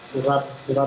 tidak ada perang